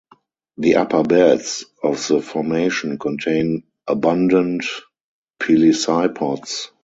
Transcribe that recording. The upper beds of the formation contain abundant pelecypods.